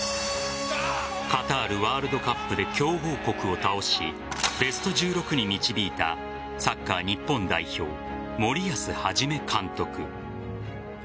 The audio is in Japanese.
カタールワールドカップで強豪国を倒しベスト１６に導いたサッカー日本代表・森保一監督。